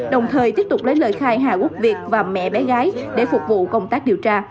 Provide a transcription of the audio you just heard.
đồng thời tiếp tục lấy lời khai hà quốc việt và mẹ bé gái để phục vụ công tác điều tra